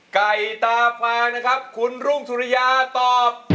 ไก่ตาฟางนะครับคุณรุ่งสุริยาตอบ